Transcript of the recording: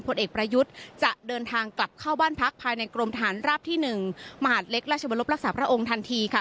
ผลเอกประยุทธ์จะเดินทางกลับเข้าบ้านพักภายในกรมฐานราบที่๑มหาดเล็กราชบรบรักษาพระองค์ทันทีค่ะ